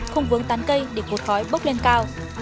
không vướng tán cây để cột khói bốc lên cao